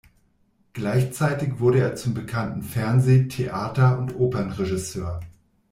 Gleichzeitig wurde er zum bekannten Fernseh-, Theater- und Opernregisseur.